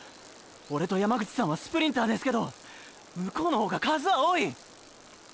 ⁉オレと山口サンはスプリンターですけど向こうの方が数は多い！